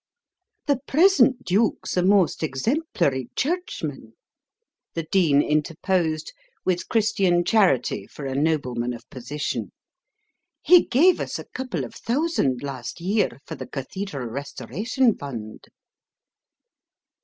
"The present duke's a most exemplary churchman," the Dean interposed, with Christian charity for a nobleman of position. "He gave us a couple of thousand last year for the cathedral restoration fund."